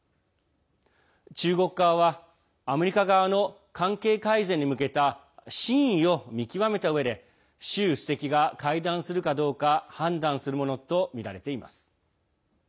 中国側はアメリカ側の関係改善に向けた真意を見極めたうえで習主席が会談するかどうか判断するものとみられています。